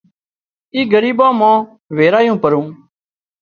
اِي ڳريٻان مان ويرايُون پرون